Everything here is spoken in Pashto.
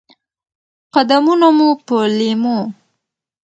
قدمونه مو په لېمو،